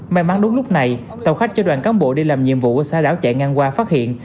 may mắn đúng lúc này tàu khách cho đoàn cán bộ đi làm nhiệm vụ ở xa đảo chạy ngang qua phát hiện